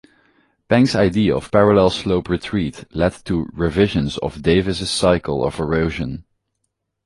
Penck's idea of parallel slope retreat led to revisions of Davis's cycle of erosion.